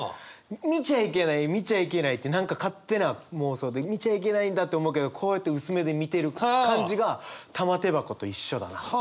見ちゃいけない見ちゃいけないって何か勝手な妄想で見ちゃいけないんだって思うけどこうやって薄目で見てる感じが玉手箱と一緒だなと。